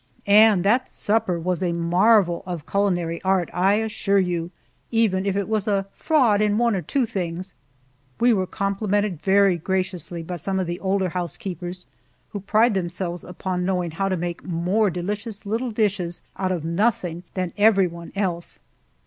And that supper was a marvel of culinary art, I assure you, even if it was a fraud in one or two things, We were complimented quite graciously by some of the older housekeepers, who pride themselves upon knowing how to make more delicious little dishes out of nothing than anyone else.